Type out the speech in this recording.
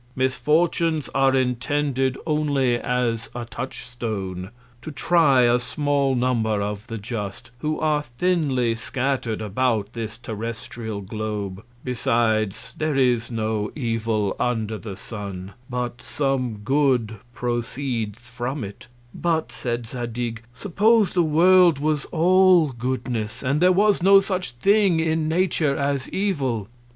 Misfortunes are intended only as a Touch stone, to try a small Number of the Just, who are thinly scatter'd about this terrestrial Globe: Besides, there is no Evil under the Sun, but some Good proceeds from it: But, said Zadig, Suppose the World was all Goodness, and there was no such Thing in Nature as Evil.